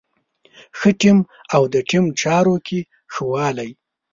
ښه ټيم او د ټيم چارو کې ښه والی.